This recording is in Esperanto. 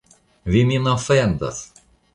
Vi min ofendas!